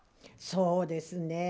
そうですね。